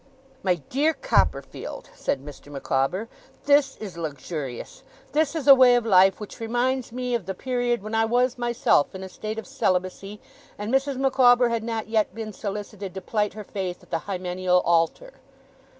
'My dear Copperfield,' said Mr. Micawber, 'this is luxurious. This is a way of life which reminds me of the period when I was myself in a state of celibacy, and Mrs. Micawber had not yet been solicited to plight her faith at the Hymeneal altar.